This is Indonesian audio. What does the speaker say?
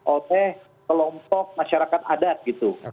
oleh kelompok masyarakat adat gitu